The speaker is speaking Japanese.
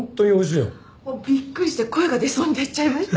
もうびっくりして声が出そうになっちゃいました。